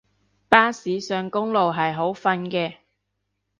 巴士上公路係好瞓嘅